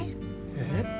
えっ？